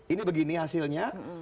ini begini hasilnya